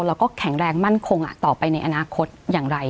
แล้วก็แข็งแรงมั่นคงต่อไปในอนาคตอย่างไร